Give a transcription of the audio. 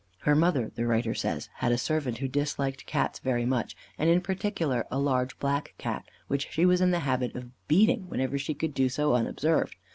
Her mother, the writer says, had a servant who disliked Cats very much, and in particular a large black Cat, which she was in the habit of beating, whenever she could do so unobserved.